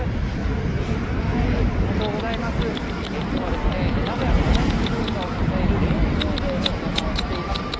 きょうはですね、名古屋のお座敷文化を支える練習場にお邪魔をしています。